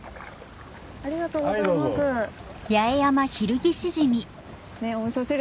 ありがとうございます。